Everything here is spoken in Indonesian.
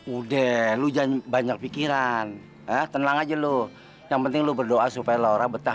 udah lu jangan banyak pikiran ah tenang aja lu yang penting lu berdoa supaya laura betah